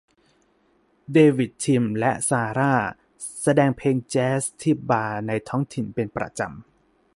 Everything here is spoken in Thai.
เดวิด ทิม และซาร่าห์แสดงเพลงแจ๊ซที่บาร์ในท้องถิ่นเป็นประจำ